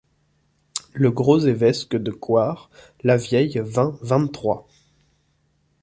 Le gros évesque de Coire Lavieille vingt vingt-trois.